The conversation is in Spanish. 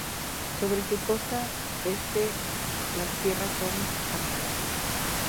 Sobre su costa este las tierras son pantanosas.